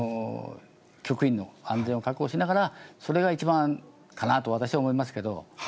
局員の安全を確保しながらそれが一番かなと、私は思いますけど。